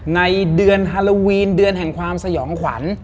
ในเดือนฮาโลวีนเดือนแห่งความสยองขวัญ